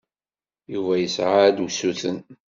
Yuba yessa-d usuten.